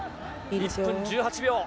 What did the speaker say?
１分１８秒。